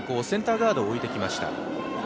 センターガードを置いてきました。